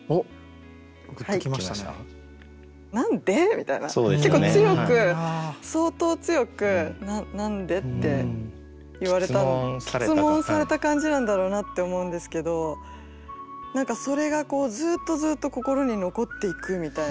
みたいな結構強く相当強く「なんで？」って言われた詰問された感じなんだろうなって思うんですけど何かそれがずっとずっと心に残っていくみたいな。